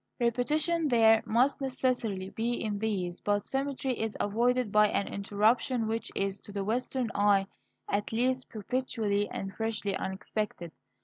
Repetition there must necessarily be in these, but symmetry is avoided by an interruption which is, to the Western eye, at least, perpetually and freshly unexpected.